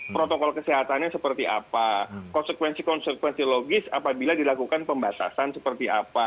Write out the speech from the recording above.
protokol kesehatannya seperti apa konsekuensi konsekuensi logis apabila dilakukan pembatasan seperti apa